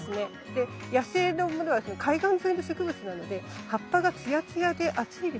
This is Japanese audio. で野生のものは海岸沿いの植物なので葉っぱがツヤツヤで厚いでしょう？